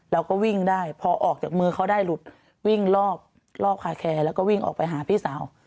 เราก็วิ่งได้พอออกจากมือเขาได้หลุดวิ่งรอบคาแคร์แล้วก็วิ่งออกไปหาพี่สาว